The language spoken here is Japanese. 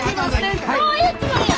どういうつもりや！